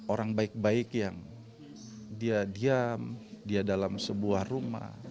orang baik baik yang dia diam dia dalam sebuah rumah